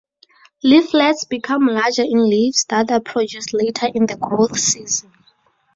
Leaflets become larger in leaves that are produced later in the growth season.